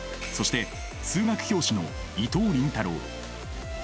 そして数学教師の伊藤倫太郎。